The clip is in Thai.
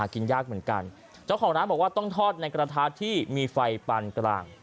กินยากเหมือนกันเจ้าของร้านบอกว่าต้องทอดในกระทะที่มีไฟปานกลาง